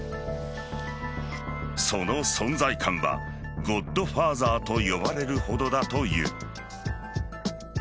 その存在感はゴッドファーザーと呼ばれるほどだという。